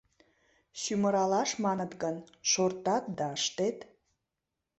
Сӱмыралаш маныт гын, шортат да ыштет.